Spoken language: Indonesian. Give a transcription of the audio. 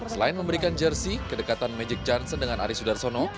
selain memberikan jersi kedekatan magic johnson dengan arisudarsono